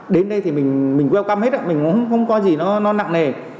đến đây thì mình welcome hết mình không coi gì nó nặng nề